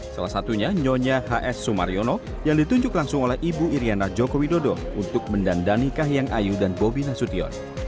salah satunya nyonya hs sumariono yang ditunjuk langsung oleh ibu iryana joko widodo untuk mendandani kahiyang ayu dan bobi nasution